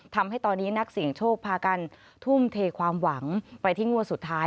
ทำให้ตอนนี้นักเสี่ยงโชคพากันทุ่มเทความหวังไปที่งวดสุดท้าย